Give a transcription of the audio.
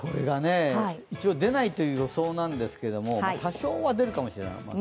一応出ないという予想なんですけど、多少は出るかもしれない。